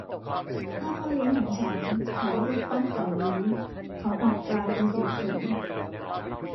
ถ้าพ่อเลี้ยงของฉันขายรูปปั้นเก่านี้เขาอาจกลายเป็นเศรษฐี